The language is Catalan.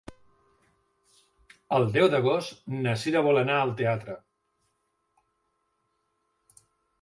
El deu d'agost na Cira vol anar al teatre.